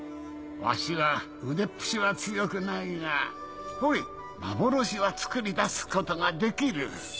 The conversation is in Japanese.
わしは腕っぷしは強くないがほれ幻は作り出すことができる。